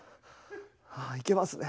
ああいけますね。